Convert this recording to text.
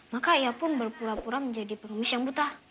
maka ia pun berpura pura menjadi pengemis yang buta